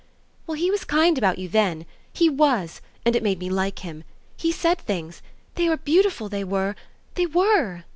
"Well, he was kind about you then; he WAS, and it made me like him. He said things they were beautiful, they were, they were!"